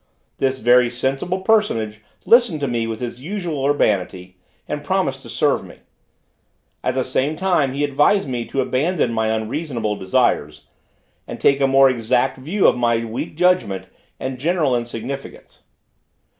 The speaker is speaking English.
This very sensible personage listened to me with his usual urbanity, and promised to serve me. At the same time he advised me to abandon my unreasonable desires, and take a more exact view of my weak judgment and general insignificance.